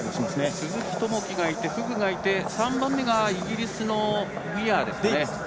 鈴木朋樹がいてフグがいて３番目がイギリスのデビッド・ウィアーですね。